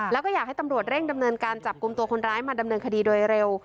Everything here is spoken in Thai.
แล้วก็อยากให้ตำรวจเร่งดำเนินการจับกลุ่มตัวคนร้ายมาดำเนินคดีโดยเร็ว